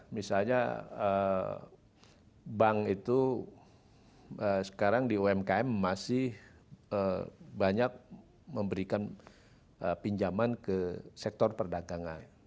misalnya bank itu sekarang di umkm masih banyak memberikan pinjaman ke sektor perdagangan